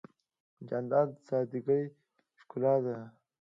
جانداد د سادګۍ ښکلا ده.